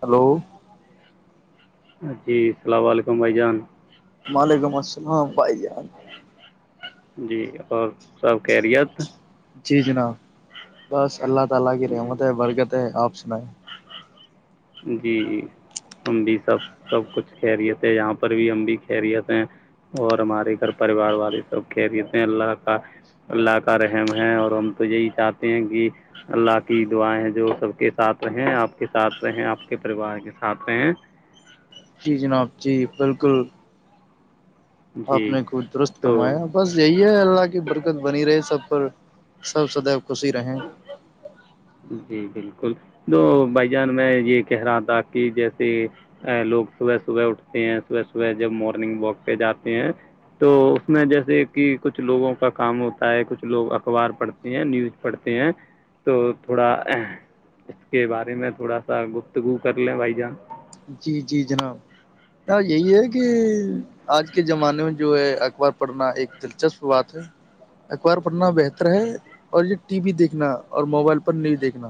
hello جی السلام علیکم بھائی جان وعلیکم السلام بھائی جان جی اور سب خریت جی جناب بس اللہ تلہ آگی جی م برتے آپ بائے جی ہم بھی سب سب کچھ کہری تھے یہاں پر بھی ہم بھی کہریت ہیں اور ہمارے گھر پریوار والے سب کہری تھ ہیں اللہ کا اللہ کا رحم ہے اور ہم تو یہی چاہتے ہیں کہ اللہ کی دعائیں ہیں جو سب کے ساتھ رہ آپ کے ساتھ رہے ہیں آپ کے پریوار کے ساتھ رہ جی جناب جی بالکل آپ جی نے کود درست تو فمایا بس یہی ہے اللہ کی برکت بنی رہے سب پر سب سد خوشی رہیں جی بالکل دو بھائی جان میں یہ کہہ رہا تھا کہ جیسے لوگ صبح صبح اٹھتے ہیں صبح صبح جب مارننگ واک پہ جاتے ہیں تو اس میں جیسے کہ کچھ لوگوں کا کام ہوتا ہے کچھ لوگ اخبار پڑھتے ہیں نیوز پڑھتے ہیں تو تھوڑا اس کے بارے میں تھوڑا سا گفتگو کر لیں بھائی جان جی جی جناب یہی ہے کہ آج کے زمانے میں جو ہے اخبار پڑھنا ایک دلچسپ بات ہے اخبار پڑھنا بہتر ہے اور یہ ٹی وی دیکھنا اور موبائل پر نیو دیکھنا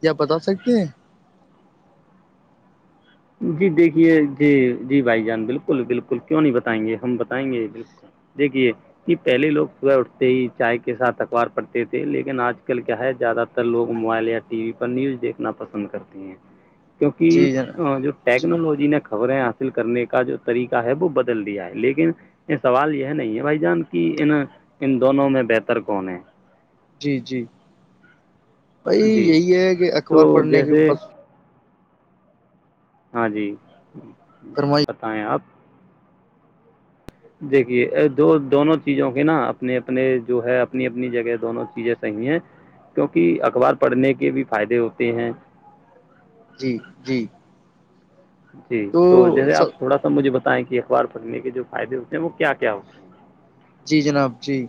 کیاپ بتا سکتے ہیں جی دیکھیے جی جی بھائی جان بالکل بالکل کیوں نہیں بتائیں گے ہم بتائیں گے بالکل دیکھیے کہ پہلے لوگ صبح اٹھتے ہی چائے کے ساتھ اخبار پڑھتے تھے لیکن آج کل کیا ہے زیادہ تر لوگ موبائل یا ٹی وی پر نیوز دیکھنا پسند کرتے ہیں کیونکہ جی جناب ہاں جو جی ٹیکنالوجی نے خبریں حاصل کرنے کا جو طریقہ ہے وہ بدل دیا ہے لیکن یہ سوال یہ نہیں ہے بھائی جان کی ان ان دونوں میں بہتر کون ہے جی جی بھائی جی یہی ہے کہ تو اخبار پڑھنے کے جیسے بس ہاں جی فرمائی بتائیں آپ دیکھیے دو دونوں چیزوں کے نا اپنے اپنے جو ہے اپنی اپنی جگہ دونوں چیزیں صحیح ہیں کیونکہ اخبار پڑھنے کے بھی فائدے ہوتے ہیں جی جی جی تو جیسے آپ س تھوڑا سا مجھے بتا کہ اخبار پھڑنے کے جو فائدے ہوتے ہیں وہ کیا کیا ہوتے ہیں جی جناب جی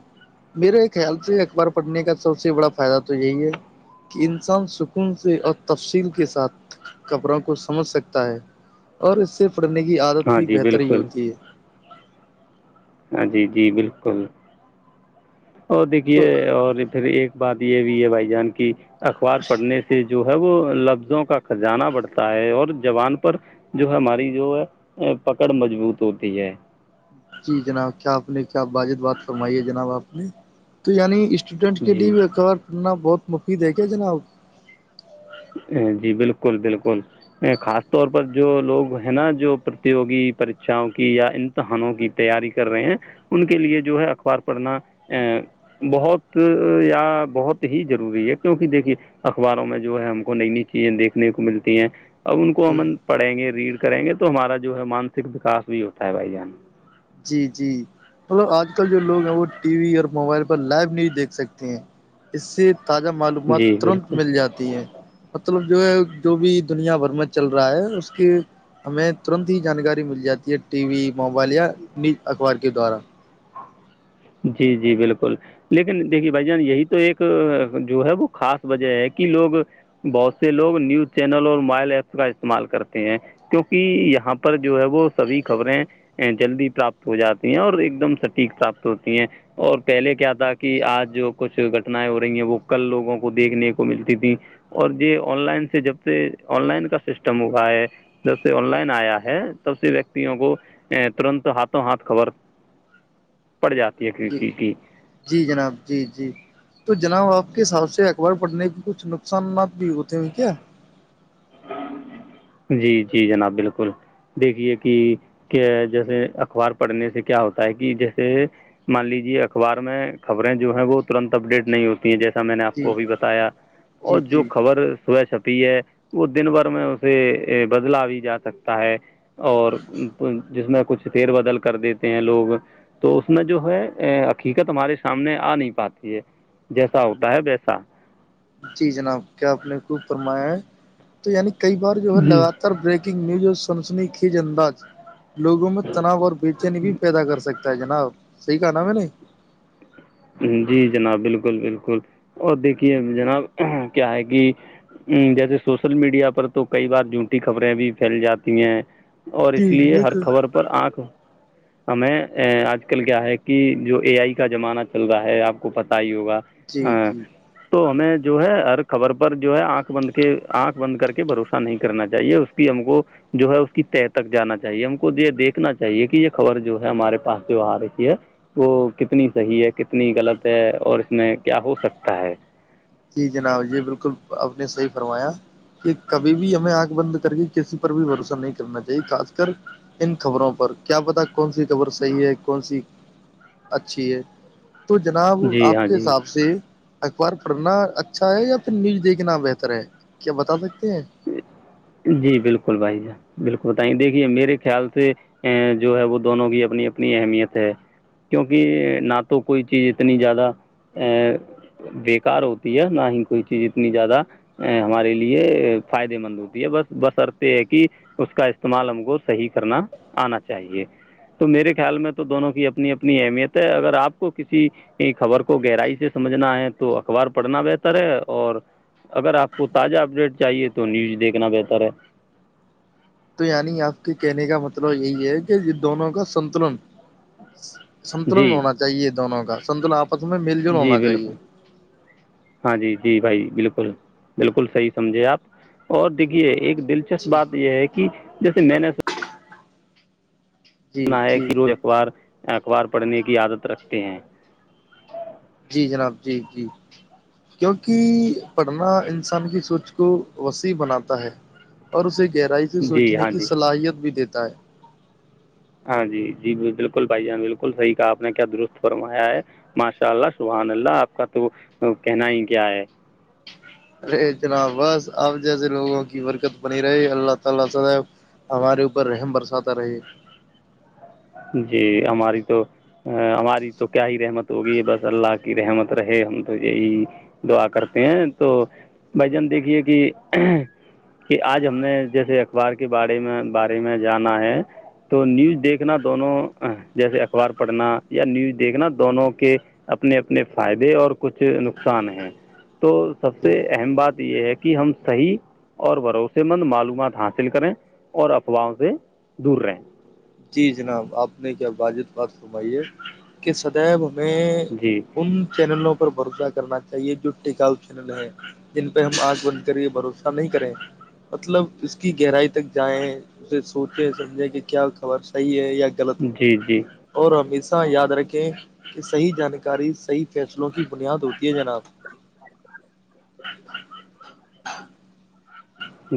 میرے خیال سے اخبار پڑھنے کا سب سے بڑا فائدہ تو یہی ہے کہ انسان سکون سے اور تفصیل کے ساتھ کبروں کو سمجھ سکتا ہے اور اس سے پڑنے کی ہیں عادت ہاں بھی جی بہتر ہی بالکل ہوتی ہے ہاں جی جی بالکل اور دیکھیے تو اور پھر ایک بات یہ بھی ہے بھائی جان کی اخبار پڑھنے سے جو ہے وہ لفظوں کا خزانہ بڑھتا ہے اور جوبان پر جو ہے ہماری جو ہے پکڑ مضبوط ہوتی ہے جی جناب کیا آپ نے کیا باجد بات فرمائی ہے جناب آپ نے تو یعنی اسٹوڈینٹ کے جی لیے بھی کارنا بہت مفیدید ہے کیا جناب جی بالکل بالکل خاص طور پر جو لوگ ہیں نا جو پرتوگی پرریچاں کی یا امتحانوں کی تیاری کر رہے ہیں ان کے لیے جو ہے اخبار پڑھنا بہت یا بہت ہی ضروری ہے کیونکہ دیکھیے اخباروں میں جو ہے ہم کو نئی نئی چیزیں دیکھنے کو ملتی ہیں اب ان کو جی امن پڑھیں گے ریڑھ کریں گے تو ہمارا جو ہے مانسک وکاس بھی ہوتا ہے بھائی جان جی جی مطلب آج کل جو لوگ ہیں وہ ٹی وی اور موبائل پر لائیو نیوز دیکھ سکتے ہیں اس سے تازہ معلومات جی ترنت بالکل مل جاتی ہے مطلب جو ہے جو بھی دنیا بھر میں چل رہا ہے اس کی ہمیں ترنت ہی جانکاری مل جاتی ہے ٹی وی موبائل یا ل اخبار کے دوارا جی جی بالکل لیکن دیکھیے بھائی جان یہی تو ایک جو ہے وہ خاص وجہ ہے کہ لوگ بہت سے لوگ نیوز چینل اور موبائل ایپس کا استعمال کرتے ہیں کیوںکہ یہاں پر جو ہے وہ سبھی خبریں جلدی پراپت ہو جاتی ہیں اور ایک دم سٹھیک ساپ ہوتی ہیں اور پہلے کیا تھا کہ آج جو کچھ گھٹنیں ہو رہی ہیں وہ کل لوگوں کو دیکھنے کو ملتی تھی اور یہ آن لائن سے جب سے آن لائن کا سسٹم ہوا ہے جب سے آن لائن آیا ہے تب سے ویکتیوں کو ترنت ہاتھوں ہاتھ خبر پڑ جاتی ہے کسی جی چیز کی جی جناب جی جی تو جناب آپ کے حساب سے اخبار پڑنے کے کچھ نقصانات بھی ہوتے توم کیا جی جی جناب بالکل دیکھیے کہ کیا جیسے اخبار پڑھنے سے کیا ہوتا ہے کہ جیسے مان لیجے اخبار میں خبریں جو ہے وہ ترنت اپڈیٹ نہیں ہوتی ہیں جیسے میں نے آپ کو جی ابھی بتایا اور جی جو جی خبر سو شبد پ ہے وہ دن بھر میں اسے بدلا بھی جا سکتا ہے اور پ جس میں کچھ تیر بدل کر دیتے ہیں لوگ تو اس میں جو ہے حقیقت ہمارے سامنے آ نہیں پاتی ہے جیسا ہوتا ہے ویسا جی جناب کیا آپ نے کو فرمایا ہے تو یعنی کئی بار جو ہے جی لگاتار بریک نگ نیوز سنسنی کج انداز لوگوں میں تناؤ اور بے چینی بھی پیدا کر سکے جناب صحی کہ نا میں نے جی جناب بالکل بالکل اور دیکھیے جناب کیا ہے کہ جیسے سوشل میڈیا پر تو کئی بار جوٹی خبریں بھی پھیل جاتی ہیں اور اس جی لیے ہر بالکل خبر پر آنکھ ہمیں آج کل کیا ہے کہ جو اے آئی کا زمانہ چل رہا ہے آپ کو پت ہی ہو جی جی تو ہمیں جو ہے ہر خبر پر جو ہے آنکھ بند کے آنکھ بند کر کے بھروسہ نہیں کرنا چاہیے اس کی ہم کو جو ہے اس کی طے تک جانا چاہیے ہم کو یہ دیکھنا چاہیے کہ یہ خبر جو ہے ہمارے پاس جو آ رہی ہے وہ کتنی صحیح ہے کتنی غلط ہے اور اس میں کیا ہو سکتا ہے جی جناب یہ بالکل آپ نے صحیح فرمایا کہ کبھی بھی ہمیں آنکھ بند کر کے کسی پر بھی بھروسہ نہیں کرنا چاہیے خاص کر ان خبروں پر کیا پتا کون سی خبر صحیح ہے کون سی اچھی ہے تو جناب جی آپ ہاں کے جی حساب سے ابار پڑھنا اچھا ہے یا پھر نیوز دیکھنا بہتر ہے کیا بتا سکتے ہیں جی بالکل بھائی ج بالکل بتائیںے دیکھیے میرے خیال سے جو ہے وہ دونوں کی اپنی اپنی اہمیت ہے کیونکہ نہ تو کوئی چیز اتنی زیادہ ا بیکار ہوتی ہے نہ ہی کوئی چیز اتنی زیادہ ہمارے لیے فائدے مند ہوتی ہے بس بس ارت یہ ہے کہ اس کا استعمال ہم کو صحیح کرنا آنا چاہیے تو میرے خیال میں تو دونوں کی اپنی اپنی اہمیت ہے اگر آپ کو کسی خبر کو گہرائی سے سمجھنا ہے تو اخبار پڑھنا بہتر ہے اور اگر آپ کو تازہ اپڈیٹ چاہیے تو تو نیوز دیکھنا بہتر ہے تو یعنی آپ کے کہنے کا مطلب مطلب یہی ہے کہ یہ دونوں کا سنتلن جی سنتلن ہونا چاہیے دونوں کا [unintelligible] جول جی ہونا چاہیے بالکل ہاں جی جی بھائی بالکل بکل بالکل صحیح سمجھے آپ اور دیکھیے ایک دلچسپ جی بات یہ ہے کہ جیسے میں نے [unintelligible] جی نا جی کرو اخبار اخبار پڑھنے کی عادت رکھتے ہیں جی جناب جی جی کیونکہ پڑھنا انسان کی سوچ کو وسیع بناتا ہے اور اسے گہرائی سے جی سوچنے ہاں کی جی صلاحیت بھی دیتے دائے ہاں جی جی بالکل بھائی جان بالکل صحیح کہا آپ نے کیا درست فرمایا ہے ماشاء اللہ سبحان اللہ آپ کا تو کہنا ہی کیا ہے [inaudible] جی ہماری تو ہماری تو کیا ہی رحمت ہوگی ہے بس اللہ کی رحمت رہے ہم تو یہی دعا کرتے ہیں تو بھائی جان دیکھیے کہ آج ہم نے جیسے اخبار کے بارے میں بارے میں جانا ہے تو نیوز دیکھ دیکھنا دونوں جیسے اخبار پڑھنا یا نیوز دیکھنا دونوں کے اپنے اپنے فائدے اور کچھ نقصان ہیں تو سب جی سے اہم بات یہ ہے کہ ہم صحیح اور بھروسے مند معلومات حاصل کریں اور افواہوں سے دور رہیں جناب آپ نے کیا واجب بات سمائی ہے کہ سدیب ان میں جی ان چینلوں کو بھروسہ کرنا چاہیے جو ٹکاؤ چینل ہے جن پہ ہم آنکھ بن کر یہ بھروسہ نہیں کریں مطلب اس کی گہرائی تک جائیں اسے سوچیں سمجھیں کہ کیا خبر صحیح ہے غلط ہے جی جی اور ہممی سے یاد رکھیں کہ صحی جانکاری صحیح فیصلوں کی بنیاد ہوتی ہے جناب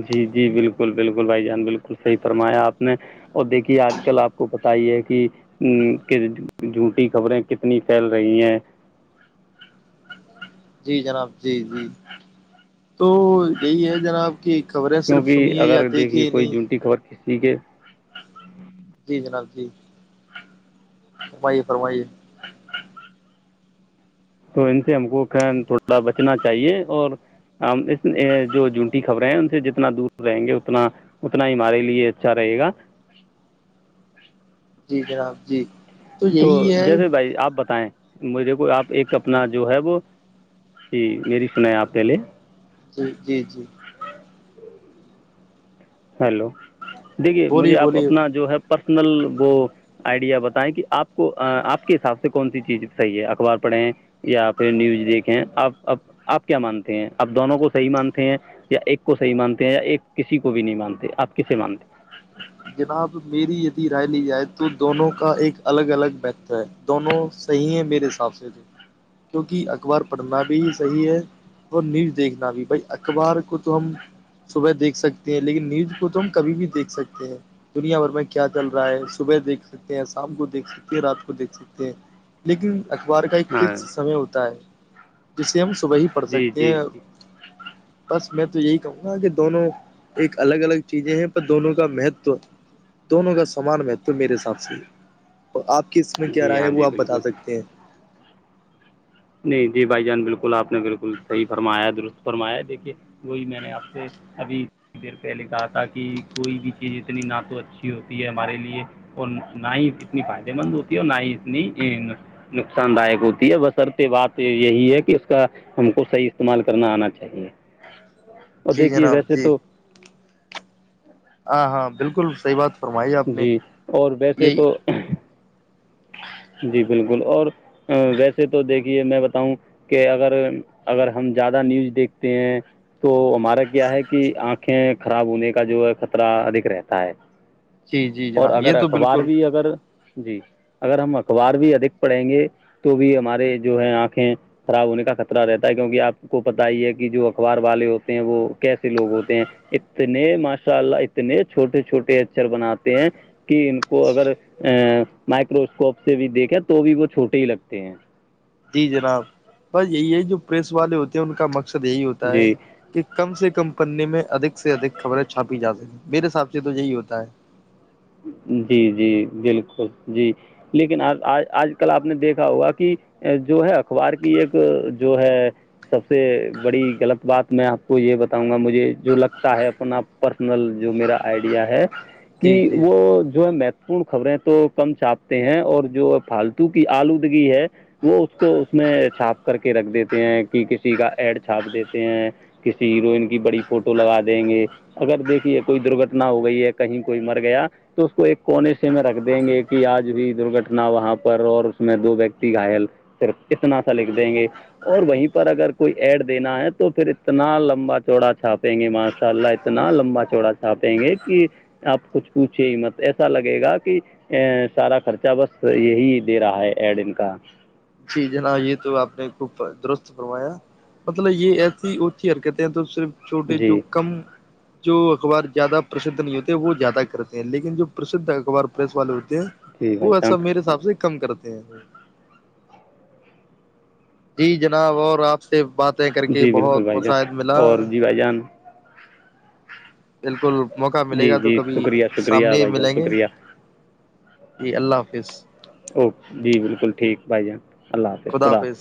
جی جی بالکل بالکل بھائی جان بالکل بالکل صحی فرمایاپ میں اور دیکھیے آج کل آپ کو کہ جھوٹی خبریں کتنی پھیل رہی ہیں جی جناب جی جی تو یہی ہے جناب کی خبریں صرف کیونکہ سنیے یا اگر دیکھیے کوئی نہیں جونٹی خبر کس ٹھیک ہے جی جینا جی فرمائیے فرمائیے تو ان سے ہم کو تھوڑا بچنا چاہیے اور ہم اس جو جونٹی خبریں ہیں ان سے جتنا دور رہیں گے اتنا اتنا ہی ہمارے لیے اچھا رہے گا جی جناب جی تو یہی ہے جیسے بھائی آپ بتائیں مجھے کو آپ ایک اپنا جو ہے وہ جی میری سنایں آپ پہلے جی جی جی ہیلو دیکھیے مجھے بولیے آپ بولیے اپنا جو ہے پرسنل وہ آئیڈیا بتائیں کہ آپ کو آپ کے حساب سے کون سی چیز صحیح ہے اخبار پڑھیں یا پھر نیوز دیکھیں آپ آپ کیا مانتے ہیں آپ دونوں کو صحیح مانتے ہیں یا ایک کو صحیح مانتے ہیں یا ایک کسی کو بھی نہیں مانتے آپ کسے مانتے جناب میری رائے لی جائے تو دونوں کا ایک الگ الگ مہتر ہے دونوں صحیح ہیں میرے حساب سے کیونکہ اخبار پڑھنا بھی صحیح ہے اور نیوز دیکھنا بھی بھائی اخبار کو تو ہم صبح دیکھ سکتے ہیں لیکن نیوج کو تو ہم کبھی بھی دیکھ سکتے ہیں دنیا بھر میں کیا چل رہا ہے صبح دیکھ سکتے ہیں شام کو دیکھ سکتے ہیں رات کو دیکھ سکتے ہیں لیکن اخبار کا ایک ہیں ہاں فکس سمے ہوتا ہے جیسے ہم تو وہی پڑھ جی سکتے ہیں جی جی بس میں تو یہی کہوں گا کہ دونوں ایک الگ الگ چیزیں ہیں پر دونوں کا مہتو دونوں کا سمان میں توو میرے حساب سے آپ کی اس میں کیا جی رائے ہے ہاں وہ جی آپ بتا بالکل سکتے ہیں [inaudible] نہیں جی بھائی جان بالکل آپ نے بالکل صحیح فرمایا ہے درست فرمایا دیکھیے وہی میں نے آپ سے ابھی دیر پہلے کہا تھا کہ کوئی بھی چیز اتنی نہ تو اچھی ہوتی ہے ہمارے لیے اور نہ ہی اتنی فائدے مند ہوتی ہے اور نہ ہی اتنی نقصان داک ہوتی ہے بسر بات یہی ہے کہ اس کا ہم کو صحیح استعمال کرنا آنا چاہیے اور جی دیکھیے جناب ویسے جی تو ہاں ہاں بالکل صحی بات فرمائی آپ نے جی اور ویسے یہی تو جی بالکل اور ویسے تو دیکھیے میں بتاؤں کہ اگر اگر ہم زیادہ نیوز دیکھتے ہیں تو مارا گیا ہے کہ آنکھیں خراب ہونے کا جو ہے خطرہ ادھک رہتا ہے جی جی اور جناب یہ اگر تو اخبار بالکل بھی اگر جی اگر ہم اخبار بھی ادھک پڑھیں گے تو بھی ہمارے جو ہے آنکھیں خراب ہونے کا خطرہ رہتا ہے کیونکہ آپ کو پتا ہی ہے کہ جو اخبار والے ہوتے ہیں وہ کیسے لوگ ہوتے ہیں اتنے ماشاء اللہ اتنے چھوٹے چھوٹے اچر بناتے ہیں کہ ان کو اگر مائکروسکوپ سے بھی دیکھا تو بھی وہ چھوٹے ہی لگتے ہیں جی جناب بس یہی ہے جو پریس والے ہوتے ہیں ان کا م مصد یہی ہوتا ہے جی کہ کم سے کم پنے میں ادک سے اک خبریں چھاپی جا سکی میرے حساب سے تو یہی ہوتا ہے جی جی بالکل جی لیکن آج کل آپ نے دیکھا ہوا کہ جو ہے اخبار کی ایک جو ہے سب سے بڑی غلط بات میں آپ کو یہ بتاؤں گا مجھے جو لگتا ہے اپنا آپ پرسنل جو میرا آئیڈیا ہے جی کہ جی وہ جو ہے م پن خبریں تو کم چھاپتے ہیں اور جو فالتو کی آلودگی ہے وہ اس کو اس میں چھاپ کر کے رکھ دیتے ہیں کہ کسی کا ایڈ چھاپ دیتے ہیں کسی ہیروئن کی بڑی فوٹو لگا دیں گے اگر دیکھیے کوئی درگٹنا ہو گئی ہے کہیں کوئی مر گیا تو اس کو ایک کونے میں رکھ دیں گے کہ آج ہوئی درگٹنا انا وہاں پر اور اس میں دو ویکتی گائل پر اتنا سا لکھ دیں گے اور وہیں پر اگر کوئی ایڈ دینا ہے تو پھر اتنا لمبا چوڑا چھاپیں گے ماشاء اللہ اتنا لمبا چوڑا چھاپیں گے کہ آپ کچھ پوچھے ہی مت ایسا لگے گا کہ ا سارا خرچہ بس یہی دے رہا ہے ایڈ ان کا جی جناب یہ تو آپ نے خوب درست فرمایا مطلب یہ ایسی اونچی حرکتیں ہیں تو صرف چھوٹے جو جی کم جو اخبار زیادہ پرسھ نہیں ہوتے وہ زیادہ کرتے ہیں لیکن جو پرسدھ اخبار پریس والے ہوتے جی بھائی وہ جان ایسا میرے حساب سے کم کرتا جی جی جناب اور آپ سے بات جی بالکل بھائی جان اور جی بھائی جان بالکل موقع ملے جی گا تو جی کبھی شکریہ شکریہ سامنے ہی بھائی جان ملیں گے شکریہ جی اللہ حافظ اوکے جی بالکل ٹھیک بھائی جان اللہ حافظ خدا حافظ